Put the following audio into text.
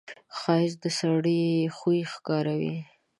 ښایست د سړي خوی ښکاروي